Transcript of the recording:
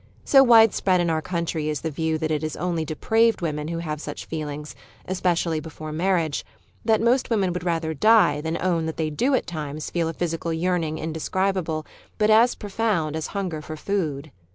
So widespread in ovir country is the view that it is only depraved women who have such feel ings (especially before marriage) that most women would rather die than own that they do at times feel a physical yearning indescribable, but as profound as hunger for food.